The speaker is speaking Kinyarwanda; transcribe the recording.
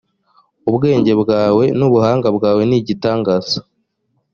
ubwenge bwawe nubuhanga bwawe nigitangaza